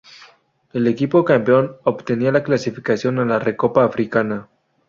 El equipo campeón obtenía la clasificación a la Recopa Africana.